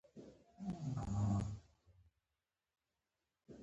آیا د پستې حاصلات کم شوي دي؟